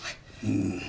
うん。